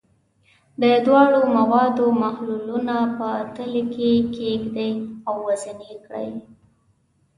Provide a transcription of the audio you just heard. د دواړو موادو محلولونه په تلې کې کیږدئ او وزن یې کړئ.